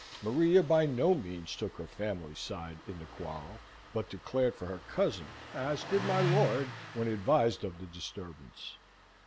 Maria by no means took her family's side in the quarrel, but declared for her cousin, as did my lord, when advised of the disturbance.